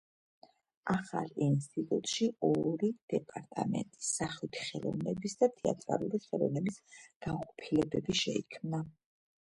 ახალ ინსტიტუტში ორი დეპარტამენტი: სახვითი ხელოვნების და თეატრალური ხელოვნების განყოფილებები შეიქმნა.